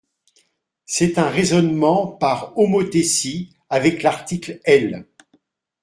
C’est un raisonnement par homothétie avec l’article L.